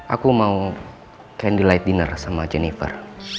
aku mau candilight dinner sama jennifer